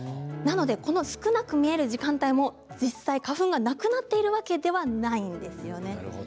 なのでこの少なく見える時間帯も実際、花粉がなくなっているわけではないんですよね。